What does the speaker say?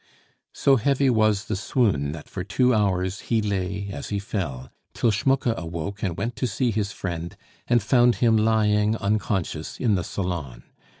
So heavy was the swoon, that for two hours he lay as he fell, till Schmucke awoke and went to see his friend, and found him lying unconscious in the salon.